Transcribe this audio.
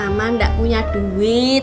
mama gak punya duit